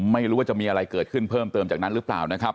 ไม่รู้ว่าจะมีอะไรเกิดขึ้นเพิ่มเติมจากนั้นหรือเปล่านะครับ